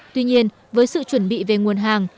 tuy nhiên với sự chuẩn bị về nguồn hàng